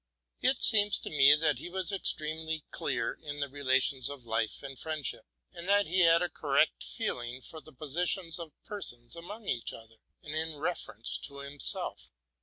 It seems to me that he was extremely clear in the relations of life and friendship, and that he had a correct feeling for the positions of per sons among each other, and with reference to himself.